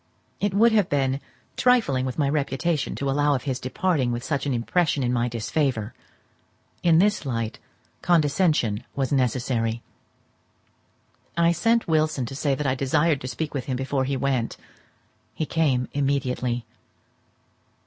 It would have been trifling with my reputation to allow of his departing with such an impression in my disfavour; in this light, condescension was necessary. I sent Wilson to say that I desired to speak with him before he went; he came immediately.